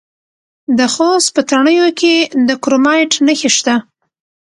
د خوست په تڼیو کې د کرومایټ نښې شته.